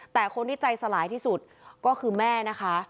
แต่คนที่ใจสลายที่สุดก็คือแม่นะคะ